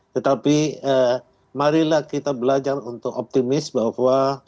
tetapi marilah kita belajar untuk optimis bahwa